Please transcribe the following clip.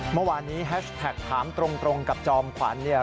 เมื่อวานนี้แฮชแท็กถามตรงกับจอมขวัญเนี่ย